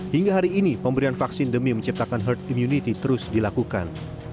hingga hari ini pemberian vaksin demi menciptakan herd immunity terus dilakukan